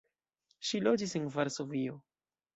Ŝi loĝis en Varsovio.